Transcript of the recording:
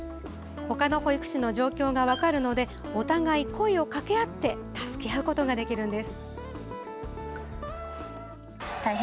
ほかの保育士の状況が分かるので、お互い、声を掛け合って助け合うことができるんです。